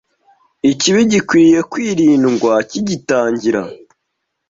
Ikibi gikwiriye kwirindwa kigitangira